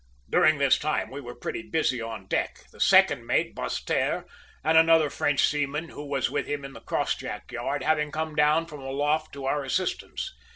"During this time we were pretty busy on deck, the second mate, Basseterre, and another French seaman, who was with him in the crossjack yard, having come down from aloft to our assistance.